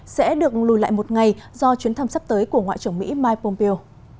sẽ được lùi lại một ngày do chuyến thăm sắp tới của ngoại trưởng mỹ mike pompeo